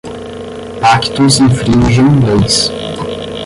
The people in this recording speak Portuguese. Pactos infringem leis.